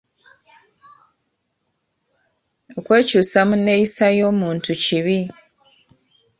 Okwekyusa mu nneeyisa y'omuntu kibi.